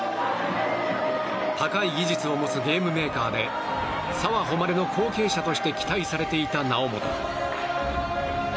高い技術を持つゲームメーカーで澤穂希の後継者として期待されていた猶本。